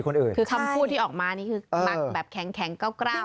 คือคำพูดที่ออกมานี่คือมักแบบแข็งก้าวเลย